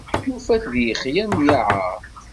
Nufa-t di lexla n Yaɛar.